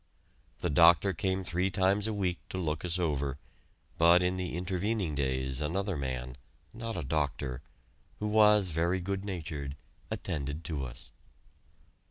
The doctor came three times a week to look us over, but in the intervening days another man, not a doctor, who was very good natured, attended to us.